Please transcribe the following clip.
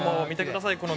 「見てください！